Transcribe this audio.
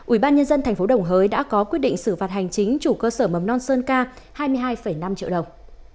ủy ban nhân dân tp đồng hới đã có quyết định xử phạt hành chính chủ cơ sở mầm non sơn ca hai mươi hai năm triệu đồng